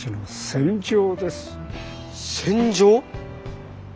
戦場？